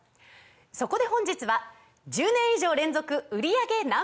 そこで本日は１０年以上連続売り上げＮｏ．１